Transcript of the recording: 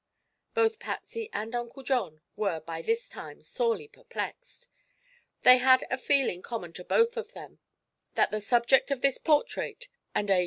Both Patsy and Uncle John were by this time sorely perplexed. They had a feeling common to both of them, that the subject of this portrait and A.